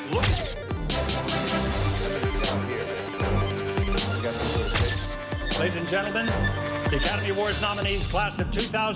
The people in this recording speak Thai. อุตสาหกรรมบันเทิงในฮอลลี่วูดคลาสภาษณ์๒๐๑๕